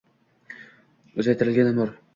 Uzaytirilgan umr